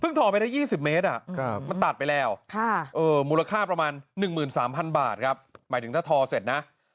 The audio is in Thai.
ทอไปได้๒๐เมตรมันตัดไปแล้วมูลค่าประมาณ๑๓๐๐๐บาทครับหมายถึงถ้าทอเสร็จนะ